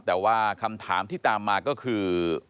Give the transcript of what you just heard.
แต่ว่าคำถามที่ตามมาก็คือ